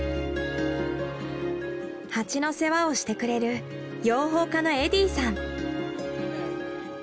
蜂の世話をしてくれる養蜂家のエディさん。